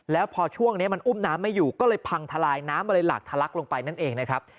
แล้วพอช่วงนี้มันอุ้มน้ำไม่อยู่ก็เลยพังทลายน้ำมันเลยหลากทะลักลงไปนั่นเองนะครับ